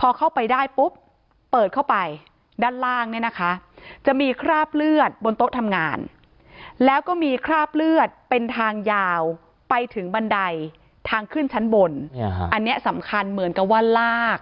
พอเข้าไปได้ปุ๊บเปิดเข้าไปด้านล่างเนี่ยนะคะจะมีคราบเลือดบนโต๊ะทำงานแล้วก็มีคราบเลือดเป็นทางยาวไปถึงบันไดทางขึ้นชั้นบนอันนี้สำคัญเหมือนกับว่าลาก